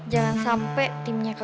jangan sampai timnya keke